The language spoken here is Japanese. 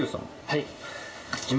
はい。